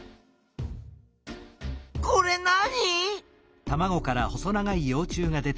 これ何？